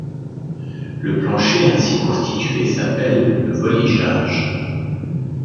Le plancher ainsi constitué s'appelle le voligeage.